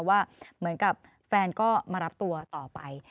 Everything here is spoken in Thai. ว่าเหมือนกับแฟนก็มารับตัวต่อไป